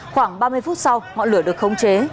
khoảng ba mươi phút sau ngọn lửa được khống chế